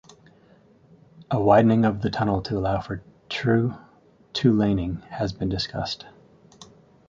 A widening of the tunnel, to allow for true two-laning, has been discussed.